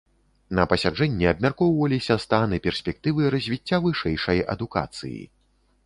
На пасяджэнні абмяркоўваліся стан і перспектывы развіцця вышэйшай адукацыі.